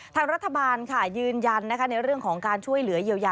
ทางรัฐบาลยืนยันในเรื่องของการช่วยเหลือเยียวยา